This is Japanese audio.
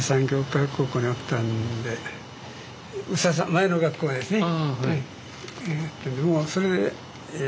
前の学校ですね。